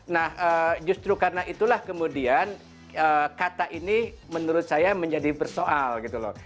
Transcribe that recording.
nah justru karena itulah kemudian kata ini menurut saya menjadi bersoal gitu loh